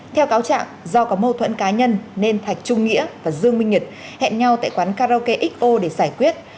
theo cáo trạng do có mâu thuẫn cá nhân nên thạch trung nghĩa và dương minh nhật hẹn nhau tại quán karaoke xo để giải quyết